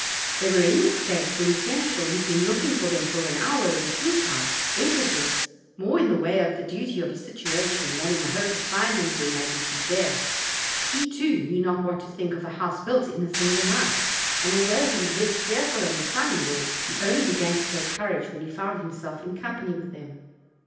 They were in this state when the seneschal, who had been looking for them for an hour in the king's house, entered this, more in the way of the duty of his situation than in the hope of finding their majesties there; he too knew not what to think of a house built in a single night; and although he was less fearful than his son in law, he only began to take cour age when he found himself in company with them.